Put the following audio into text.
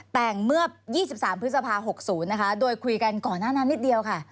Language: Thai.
แต่งเมื่อ๒๓พฤษภา๖๐นะคะโดยคุยกันก่อนหน้านั้นนิดเดียวค่ะ